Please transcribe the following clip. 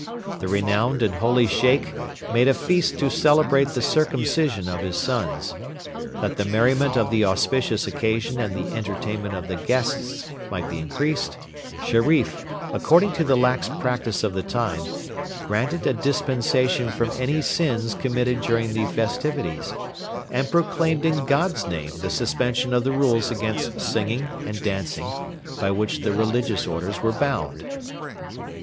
The renowned and holy Sheikh made a feast to celebrate the circumcision of his sons. That the merriment of the auspicious occasion and the entertainment of the guests might be increased, Sherif, according to the lax practice of the time, granted a dispensation from any sins committed during the festivities, and proclaimed in God's name the suspension of the rules against singing and dancing by which the religious orders were bound.